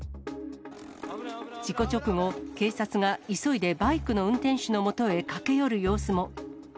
事故直後、警察が急いでバイクの運転手のもとへ駆け寄る様子も。